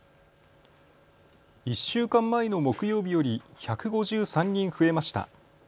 １週間前の木曜日より１５３人増えました。